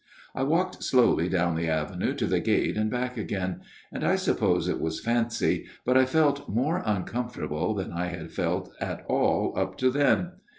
" I walked slowly down the avenue to the gate and back again ; and, I suppose it was fancy, but I felt more uncomfortable than I had felt at all up to then.